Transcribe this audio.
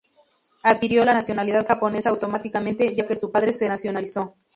Adquirió la nacionalidad japonesa automáticamente ya que su padre se nacionalizó.